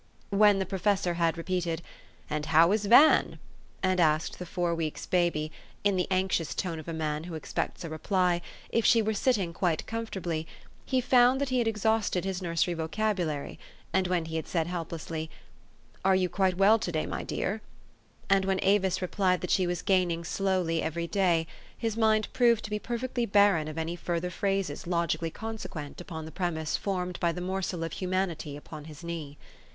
When the professor had repeated, "And how is Van?" and asked the four weeks' baby (in the anxious tone of a man who expects a reply) if she THE STORY OF AVIS. 313 were sitting quite comfortably, he found that he had exhausted his nursery vocabulary ; and when he had said helplessly, " Are you quite well to daj', my dear?" and when Avis replied that she was gaining slowly every day, his mind proved to be perfectly barren of any further phrases logically consequent upon the prem ise formed by the morsel of humanity upon his knee.